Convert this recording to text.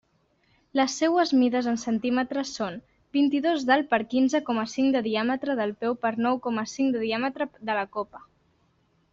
Les seues mides en centímetres són: vint-i-dos d'alt per quinze coma cinc de diàmetre del peu per nou coma cinc de diàmetre de la copa.